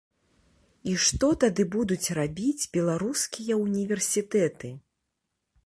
І што тады будуць рабіць беларускія ўніверсітэты?